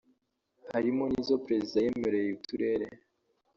harimo n’izo Perezida yemereye uturere